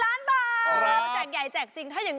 คาถาที่สำหรับคุณ